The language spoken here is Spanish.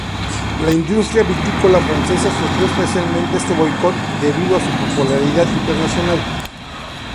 La industria vitícola francesa sufrió especialmente este boicot, debido a su popularidad internacional.